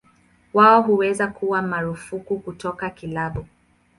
Wao huweza kuwa marufuku kutoka kilabu.